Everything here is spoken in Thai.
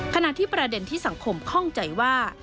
ขณะที่ประเด็นที่สังคมข้องใจว่า